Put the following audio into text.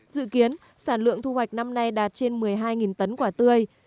dự kiến sản lượng thu hoạch năm nay đạt trên một mươi hai tấn quả tươi